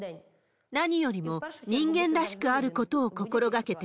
何よりも人間らしくあることを心がけて。